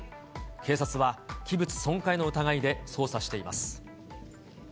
警察は器物損壊の疑いで捜査しています。